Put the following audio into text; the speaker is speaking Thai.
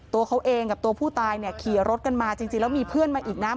ตัวเขาเองกับตัวผู้ตายเนี่ยขี่รถกันมาจริงแล้วมีเพื่อนมาอีกนะ